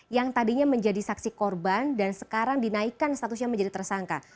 yang tadinya menjadi saksi korban dan sekarang dinaikkan statusnya menjadi tersangka